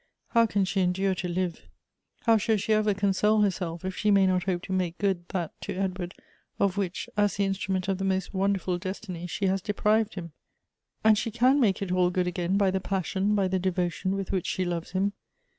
How can she endure to live ? How shall she ever console herself, if she may not hope to make good that to Edward, of which, as the instrument of the most won derful destiny, she has deprived him? And she can make it all good again by the passion, by the devotion with which she loves him.